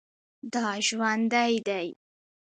دا ژوندی دی